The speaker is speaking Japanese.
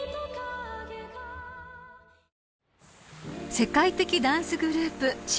［世界的ダンスグループｓ＊＊